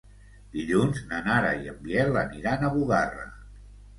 Dilluns na Nara i en Biel aniran a Bugarra.